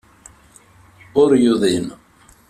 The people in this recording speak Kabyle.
Ur yuḍin.